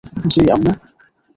জ্বি, আম্মু।